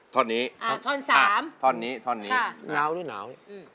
ท่อนนี้ท่อน๓ท่อนนี้หนาวหรือหนาว